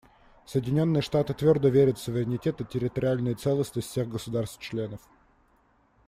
Соединенные Штаты твердо верят в суверенитет и территориальную целостность всех государств-членов.